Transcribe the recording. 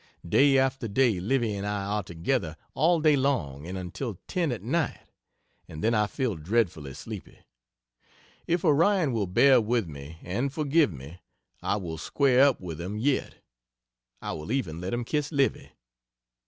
Day after day Livy and I are together all day long and until 10 at night, and then I feel dreadfully sleepy. If Orion will bear with me and forgive me I will square up with him yet. I will even let him kiss Livy.